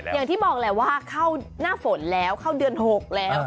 อย่างที่บอกแหละว่าเข้าหน้าฝนแล้วเข้าเดือน๖แล้ว